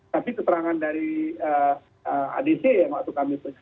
tapi keterangan dari adc yang masuk kami pesan